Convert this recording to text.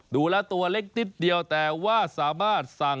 ดูแล้วตัวเล็กนิดเดียวแต่ว่าสามารถสั่ง